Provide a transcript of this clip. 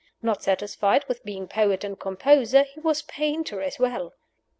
Not satisfied with being poet and composer, he was painter as well.